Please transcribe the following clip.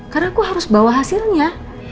karena aku harus bawa hasilnya